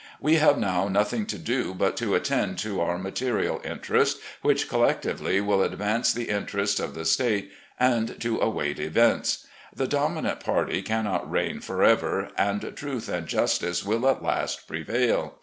We have now nothing to do but to attend to our material interests which collectively wiU advance the interests of the State, and to await events. The dominant party cannot reign forever, and truth and justice will at last prevail.